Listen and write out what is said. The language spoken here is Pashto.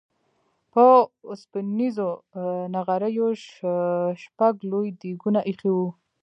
په اوسپنيزو نغريو شپږ لوی ديګونه اېښي وو.